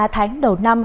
ba tháng đầu năm